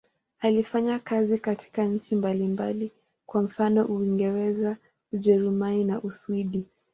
Alifanya kazi katika nchi mbalimbali, kwa mfano Uingereza, Ujerumani na Uswidi.